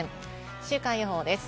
週間予報です。